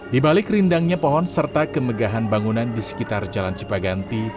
di balik rindangnya pohon serta kemegahan bangunan di sekitar jalan cipaganti